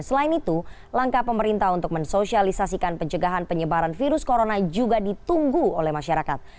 selain itu langkah pemerintah untuk mensosialisasikan pencegahan penyebaran virus corona juga ditunggu oleh masyarakat